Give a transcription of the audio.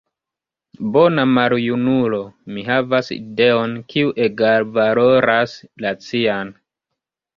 «Bona maljunulo», mi havas ideon, kiu egalvaloras la cian.